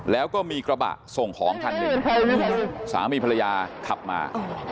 แล้วก็มีกระบะส่งของคันหนึ่งสามีภรรยาขับมา